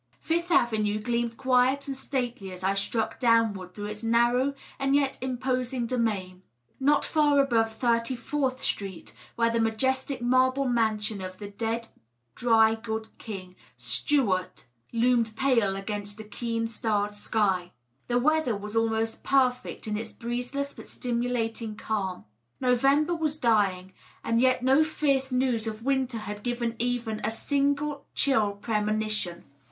Fifth Avenue gleamed quiet and stately as I struck downward through its narrow and yet imposing domain, not fiir above Thirty Fourth Street, where the majestic marble mansion of the dead dry goods king, Stewart, loomed pale against a keen starred sky. The weather was almost perfect in its breezeless but stimulating calm. November was dying, and yet no fierce news of winter had given even a single chill premonition.